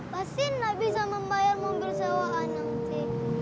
pasti enggak bisa membayar mobil sewa angti